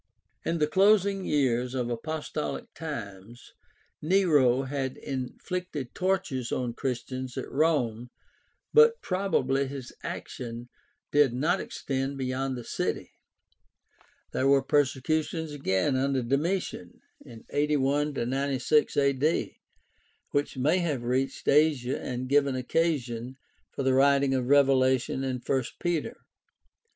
In the closing years of apostolic times (64 a.d.) Nero had infficted tortures on Christians at Rome, but probably his action did not extend beyond the city. There were persecutions again under Domitian (81 96 a.d.) which may have reached Asia and given occasion for the writing of Revelation and I Peter.